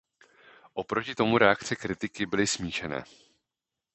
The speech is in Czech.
O proti tomu reakce kritiky byly smíšené.